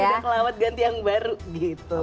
buang aja ke lawet ganti yang baru gitu